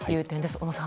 小野さん。